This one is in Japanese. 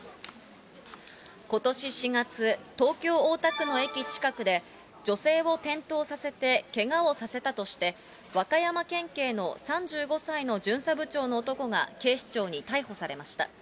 ことし４月、東京・大田区の駅近くで女性を転倒させて、けがをさせたとして、和歌山県警の３５歳の巡査部長の男が警視庁に逮捕されました。